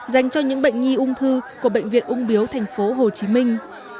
dành cho những bệnh nhi ung thư của bệnh viện ung biếu thành phố hồ chí minh